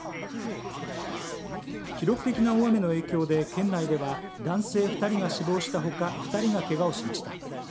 記録的の大雨の影響で県内では男性２人が死亡したほか２人がけがをしました。